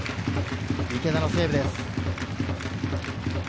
池田のセーブです。